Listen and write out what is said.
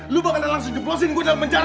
lu bakal langsung jeblosin gue dalam penjara